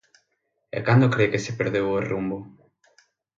E cando cre que se perdeu o rumbo?